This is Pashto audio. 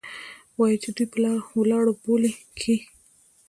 وايي چې دوى په ولاړو بولې کيې.